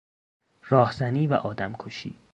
راهزنی و آدمکشی